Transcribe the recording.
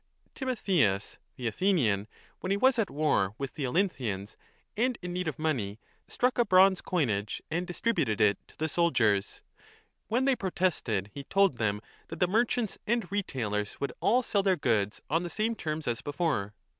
Timothcus, the Athenian, when he was at war with the Olynthians, and in need of money, struck a bronze 25 coinage and distributed it to the soldiers. When they pro tested, he told them that the merchants and retailers would all sell their goods on the same terms as before.